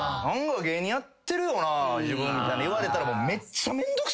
芸人やってるよな自分」みたいな言われたらもうめっちゃめんどくさいんすよ。